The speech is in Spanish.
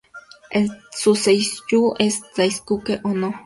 Su Seiyū es Daisuke Ono.